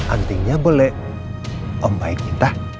antingnya boleh om baik intah